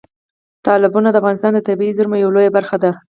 تالابونه د افغانستان د طبیعي زیرمو یوه لویه برخه ده.